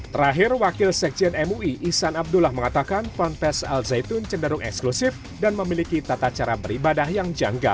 terakhir wakil sekjen mui ihsan abdullah mengatakan ponpes al zaitun cenderung eksklusif dan memiliki tata cara beribadah yang janggal